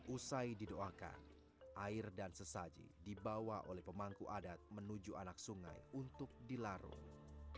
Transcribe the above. usai didoakan air dan sesaji dibawa oleh pemangku adat menuju anak sungai untuk dilarung